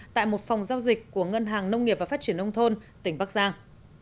tại một phòng giao dịch của ngân hàng nông nghiệp và phát triển nông thôn tỉnh bắc giang